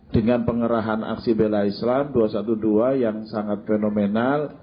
dengan pengerahan aksi bela islam dua ratus dua belas yang sangat fenomenal